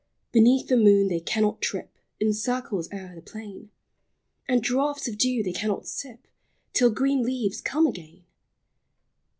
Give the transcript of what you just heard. Beneath the moon they cannot trip In circles o'er the plain ; And draughts of dew they cannot sip, Till green leaves come again.